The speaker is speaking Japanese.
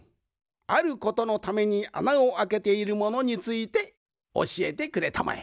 あることのためにあなをあけているものについておしえてくれたまえ。